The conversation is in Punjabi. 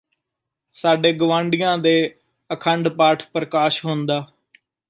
ਸਾਡੇ ਗੁਆਂਢੀਆਂ ਦੇ ਅਖੰਡ ਪਾਠ ਪ੍ਰਕਾਸ਼ ਹੁੰਦਾ